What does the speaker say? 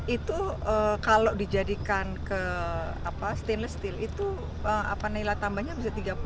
itu kalau dijadikan ke stainless steel itu nilai tambangnya bisa tiga puluh tiga sampai empat puluh kali lipat